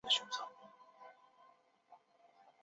凹籽远志为远志科远志属下的一个种。